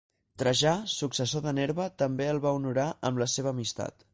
Trajà, successor de Nerva, també el va honorar amb la seva amistat.